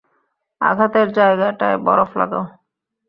আঘাতের জায়গাটায় বরফ লাগাও।